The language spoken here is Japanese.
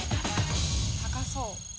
高そう。